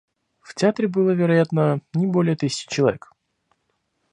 В театре было, вероятно, не более тысячи человек.